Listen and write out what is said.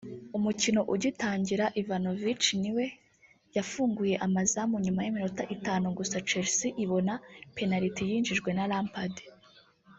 umukino ugitangira Ivanovic niwe yafunguye amazamu nyuma y’iminota itanu gusa Chelsea ibona penaliti yinjijwe na Lampard